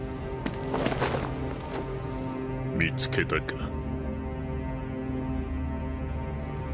見つけたか。